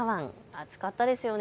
暑かったですよね。